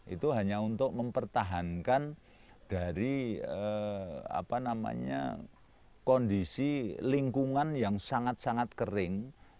itu hanya untuk mempertahankan dari kondisi lingkungan yang sangat sangat kering